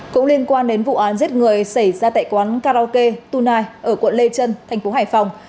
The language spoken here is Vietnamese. cũng liên quan đến vụ án giết người xảy ra tại quán karaoke tunai ở quận lê trân thành phố hải phòng